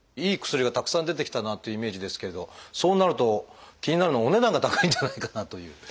いい薬がたくさん出てきたなというイメージですけれどそうなると気になるのはお値段が高いんじゃないかなという。